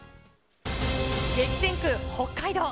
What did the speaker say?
激戦区、北海道。